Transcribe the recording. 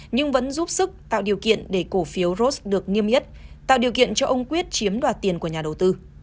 nhưng vẫn giúp sức tạo điều kiện để cổ phiếu ross được nghiêm yết tạo điều kiện cho ông quyết chiếm đoạt tiền của nhà đầu tư